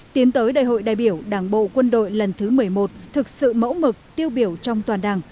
tiến tới đại hội đại biểu đảng bộ quân đội lần thứ một mươi một thực sự mẫu mực tiêu biểu trong toàn đảng